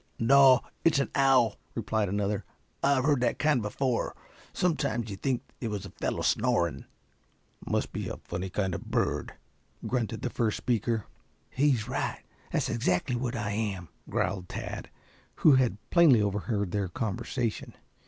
"No, it's an owl," replied another. "I've heard that kind before. Sometimes you'd think it was a fellow snoring." "Must be funny kind of a bird," grunted the first speaker. "He's right. That's exactly what I am," growled Tad, who had plainly overheard their conversation.